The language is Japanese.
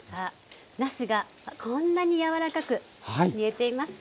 なすがこんなに柔らかく煮えています。